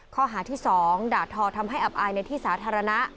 ข้อหาที่๒ด่าทอทำให้อับอายในที่สาธารณะ